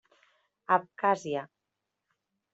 Abkhàzia.